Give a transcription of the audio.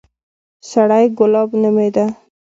سړى ګلاب نومېده.